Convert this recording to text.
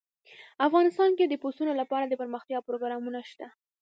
افغانستان کې د پسونو لپاره دپرمختیا پروګرامونه شته.